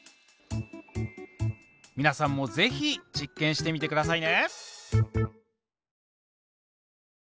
皆さんもぜひ実験してみてくださいね。